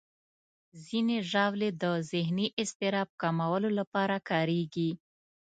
ځینې ژاولې د ذهني اضطراب کمولو لپاره کارېږي.